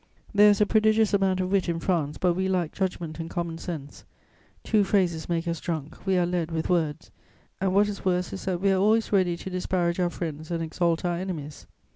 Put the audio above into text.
There is a prodigious amount of wit in France, but we lack judgment and common sense; two phrases make us drunk, we are led with words, and what is worse is that we are always ready to disparage our friends and exalt our enemies.